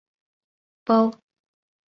— Пыл...